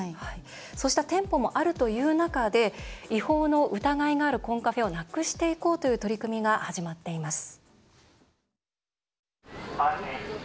そうした店舗もあるという中で違法の疑いがあるコンカフェをなくしていこうという取り組みが始まっています。